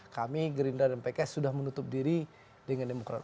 kami gerindra dan pks sudah menutup diri dengan demokrat